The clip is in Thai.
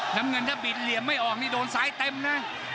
น้ำเงินถ้าบิดเหลี่ยมไม่ออกนี่โดนซ้ายเต็มนะ